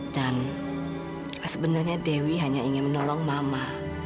sebenarnya dewi hanya ingin menolong mama